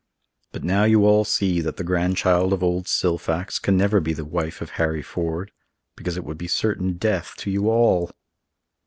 But now you all see that the grandchild of old Silfax can never be the wife of Harry Ford, because it would be certain death to you all!"